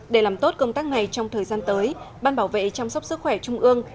để làm tốt công tác này trong thời gian tới ban bảo vệ chăm sóc sức khỏe trung ương